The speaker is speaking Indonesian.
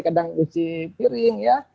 kadang uji piring ya